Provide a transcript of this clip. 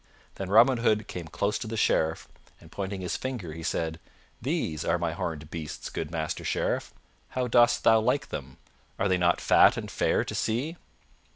Then Robin Hood came close to the Sheriff and pointing his finger, he said, "These are my horned beasts, good Master Sheriff. How dost thou like them? Are they not fat and fair to see?"